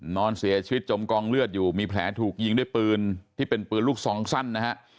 นอนเสียชีวิตจมกองเลือดอยู่มีแผลถูกยิงด้วยปืนที่เป็นปืนลูกซองสั้นนะฮะ